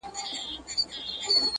ما یې په غېږه کي ګُلونه غوښتل٫